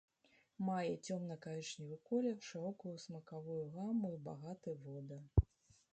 Мае цёмна-карычневы колер, шырокую смакавую гаму і багаты водар.